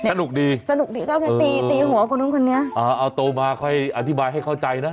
สนุกดีตีหัวกับนุ่มคนนี้เออเอาโตมาค่อยอธิบายให้เข้าใจนะ